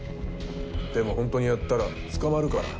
でもホントにやったら捕まるから。